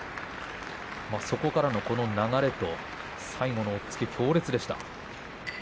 そこからのこの流れそして最後の押っつけ強烈でした。